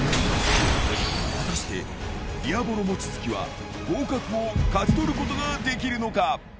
果たして、ディアボロ望月は合格を勝ち取ることができるのか。